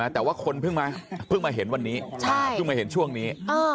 แต่ว่าคนเพิ่งมาเห็นวันนี้เพิ่งมาเห็นช่วงนี้